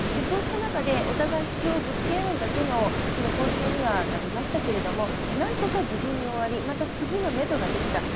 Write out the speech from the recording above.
そういった中でお互い主張をぶつけ合うだけのその交渉にはなりましたがなんとか無事に終わりまた次のめどができた。